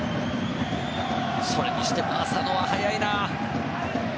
それにしても浅野は速いな！